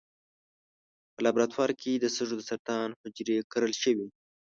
په لابراتوار کې د سږو د سرطان حجرې کرل شوي.